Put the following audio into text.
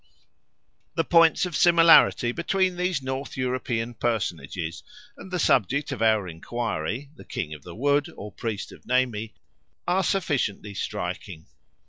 The points of similarity between these North European personages and the subject of our enquiry the King of the Wood or priest of Nemi are sufficiently striking.